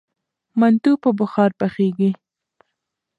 منتو په بخار پخیږي.